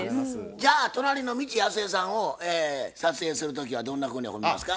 じゃあ隣の未知やすえさんを撮影する時はどんなふうに褒めますか。